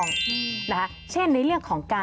สวัสดีค่ะ